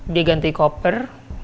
dia ganti koper